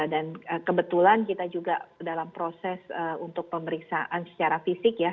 dan kebetulan kita juga dalam proses untuk pemeriksaan secara fisik ya